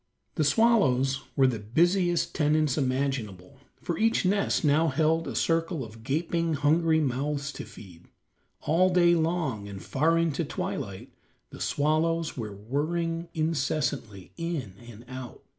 The swallows were the busiest tenants imaginable, for each nest now held a circle of gaping, hungry mouths to feed. All day long, and far into twilight, the swallows were whirring incessantly, in and out.